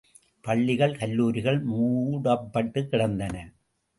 பள்ளிகள், கல்லூரிகள் மூடப்பட்டுக்கிடந்தன.